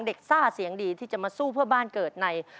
ซ่าเสียงดีที่จะมาสู้เพื่อบ้านเกิดใน